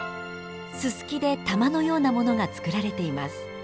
ススキで玉のようなものが作られています。